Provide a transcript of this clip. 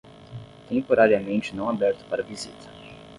Temporariamente não aberto para visita